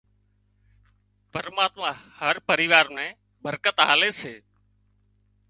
پرماتما هر پريوار نين برڪت آلي سي